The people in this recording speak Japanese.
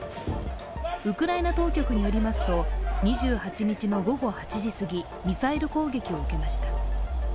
ウクライナ当局によりますと２８日の午後８時すぎ、ミサイル攻撃を受けました。